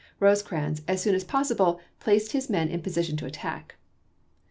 Rosecrans, as soon as possible, placed his men in position to attack.